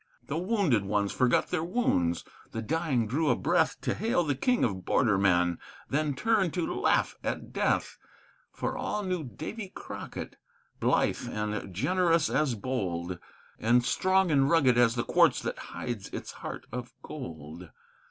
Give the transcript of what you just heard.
The wounded ones forgot their wounds; the dying drew a breath To hail the king of border men, then turned to laugh at death. For all knew Davy Crockett, blithe and generous as bold, And strong and rugged as the quartz that hides its heart of gold.